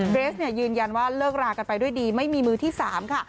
เรสยืนยันว่าเลิกรากันไปด้วยดีไม่มีมือที่๓ค่ะ